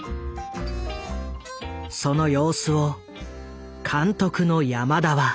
その様子を監督の山田は。